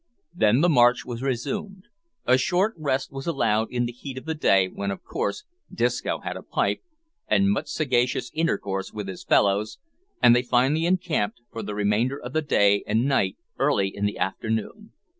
Then the march was resumed; a short rest was allowed in the heat of the day, when, of course, Disco had a pipe and much sagacious intercourse with his fellows, and they finally encamped for the remainder of the day and night early in the afternoon.